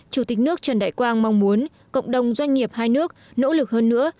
chủ tịch nước trần đại quang mong muốn cộng đồng doanh nghiệp hai nước nỗ lực hơn nữa